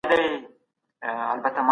ولي معلوماتو ته لاسرسی مهم دی؟